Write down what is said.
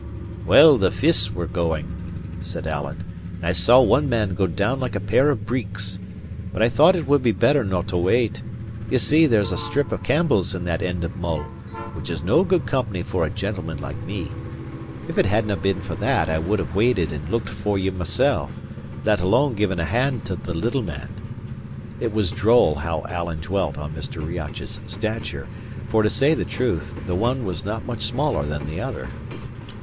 "Well, the fists were going," said Alan; "and I saw one man go down like a pair of breeks. But I thought it would be better no to wait. Ye see there's a strip of Campbells in that end of Mull, which is no good company for a gentleman like me. If it hadnae been for that I would have waited and looked for ye mysel', let alone giving a hand to the little man." (It was droll how Alan dwelt on Mr. Riach's stature, for, to say the truth, the one was not much smaller than the other.)